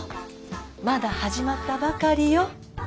まだ始まったばかりよ。